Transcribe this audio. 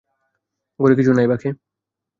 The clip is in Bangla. ঘরে কিছু নাই, বাকে।